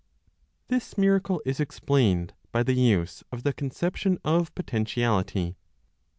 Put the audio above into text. THIS MIRACLE IS EXPLAINED BY THE USE OF THE CONCEPTION OF POTENTIALITY.